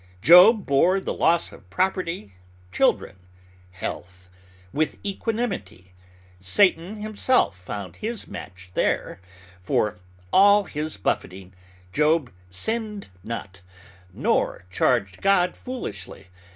Job bore the loss of property, children, health, with equanimity. Satan himself found his match there; and for all his buffeting, Job sinned not, nor charged God foolishly.